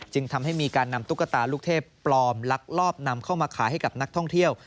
ทำให้มีการนำตุ๊กตาลูกเทพปลอมลักลอบนำเข้ามาขายให้กับนักท่องเที่ยว